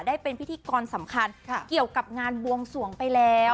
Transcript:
ได้เป็นพิธีกรสำคัญเกี่ยวกับงานบวงสวงไปแล้ว